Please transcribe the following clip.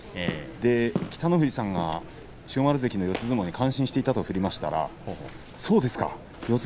北の富士さんが千代丸関の四つ相撲に感心していたと振りましたらそうですか四つ